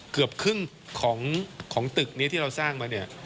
เกือบครึ่งของตึกนี้ที่เราสร้างมาเนี่ย